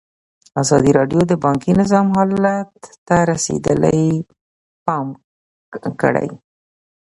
ازادي راډیو د بانکي نظام حالت ته رسېدلي پام کړی.